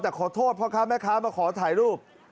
แต่ขอโทษพ่อค้าแม่ค้ามาขอถ่ายรูป